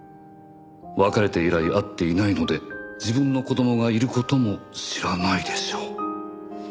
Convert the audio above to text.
「別れて以来会っていないので自分の子供がいることも知らないでしょう」